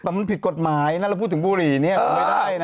มันผิดกฎหมายน่ะแล้วพูดถึงบุหรี่นี่ไม่ได้นะ